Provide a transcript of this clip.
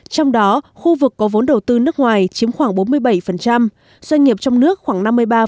trong đó khu vực có vốn đầu tư nước ngoài chiếm khoảng bốn mươi bảy doanh nghiệp trong nước khoảng năm mươi ba